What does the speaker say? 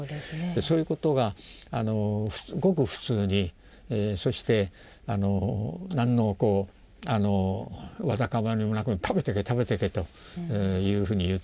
そういうことがごく普通にそして何のわだかまりもなく「食べてけ食べてけ」というふうに言ってくれる。